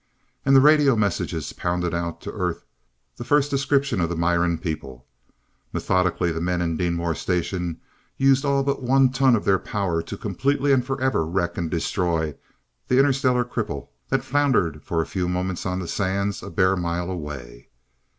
And the radio messages pounded out to Earth the first description of the Miran people. Methodically the men in Deenmor station used all but one ton of their power to completely and forever wreck and destroy the interstellar cripple that floundered for a few moments on the sands a bare mile away.